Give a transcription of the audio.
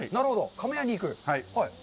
釜屋に行く。